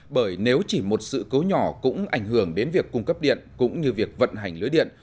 bởi nếu chỉ một sự cố nhỏ cũng ảnh hưởng đến việc cung cấp điện cũng như việc vận hành lưới điện